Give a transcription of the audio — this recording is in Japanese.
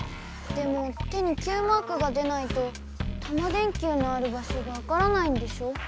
でも手にＱマークが出ないとタマ電Ｑのある場所がわからないんでしょ？